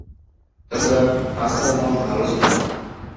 তা ছাড়া, আজ তাহার মন ভালো ছিল না।